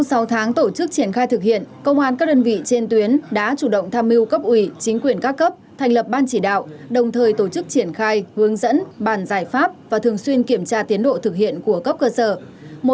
sau sáu tháng tổ chức triển khai thực hiện công an các đơn vị trên tuyến đã chủ động tham mưu cấp ủy chính quyền các cấp thành lập ban chỉ đạo đồng thời tổ chức triển khai hướng dẫn bàn giải pháp và thường xuyên kiểm tra tiến độ thực hiện của cấp cơ sở